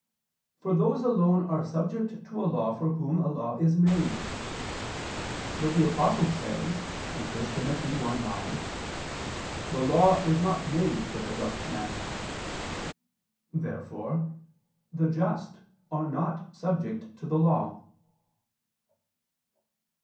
For those alone are subject to a law for whom a law is made. But the Apostle says (1 Tim. 1:9): "The law is not made for the just man." Therefore the just are not subject to the law.